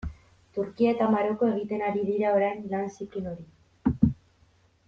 Turkia eta Maroko egiten ari dira orain lan zikin hori.